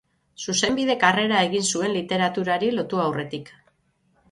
Zuzenbide-karrera egin zuen literaturari lotu aurretik.